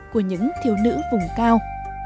của những thiếu nữ vùng cao